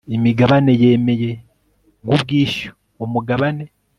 imigabane yemeye nk ubwishyu umugabane